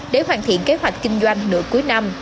để hoàn thiện kế hoạch kinh doanh nửa cuối năm